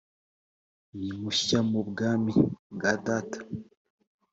ni munshya mu bwami bwa data